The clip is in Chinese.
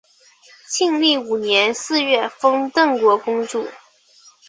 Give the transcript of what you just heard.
庆历五年四月封邓国公主。